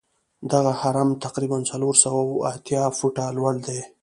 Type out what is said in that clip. دغه هرم تقریبآ څلور سوه یو اتیا فوټه لوړ دی.